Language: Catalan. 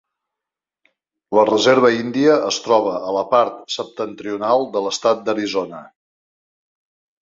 La reserva índia es troba a la part septentrional de l'estat d'Arizona.